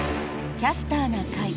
「キャスターな会」。